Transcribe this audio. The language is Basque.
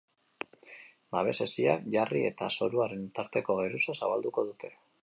Babes hesiak jarri eta zoruaren tarteko geruza zabalduko dute.